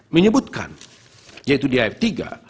menyebutkan yaitu di af tiga